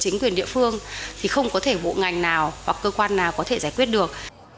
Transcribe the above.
chính quyền địa phương thì không có thể bộ ngành nào hoặc cơ quan nào có thể giải quyết được